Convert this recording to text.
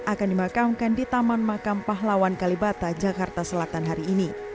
akan dimakamkan di taman makam pahlawan kalibata jakarta selatan hari ini